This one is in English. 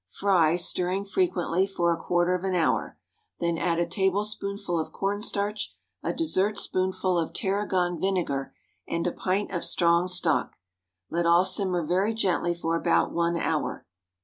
Fry, stirring frequently, for a quarter of an hour, then add a tablespoonful of corn starch, a dessertspoonful of Tarragon vinegar, and a pint of strong stock. Let all simmer very gently for about one hour.